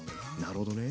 なるほどね。